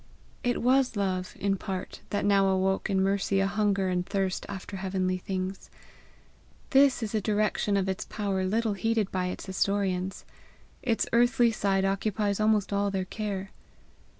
It was love, in part, that now awoke in Mercy a hunger and thirst after heavenly things. This is a direction of its power little heeded by its historians; its earthly side occupies almost all their care.